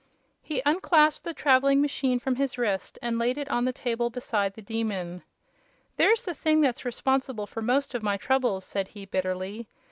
He unclasped the traveling machine from his wrist and laid it on the table beside the Demon. "There's the thing that's responsible for most of my troubles," said he, bitterly.